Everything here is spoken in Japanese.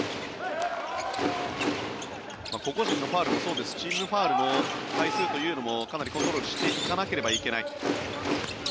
個々人のファウルもそうですがチームファウルの回数というのもかなりコントロールしていかないといけない。